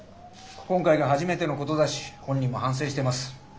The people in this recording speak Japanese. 今回が初めてのことだし本人も反省してます。